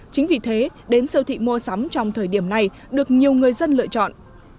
chính vì thế đến siêu thị mua sắm trong thời điểm này được nhiều người dân lựa chọn